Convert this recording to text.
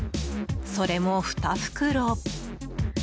それも２袋。